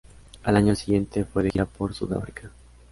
Al año siguiente fue de gira por Sudáfrica.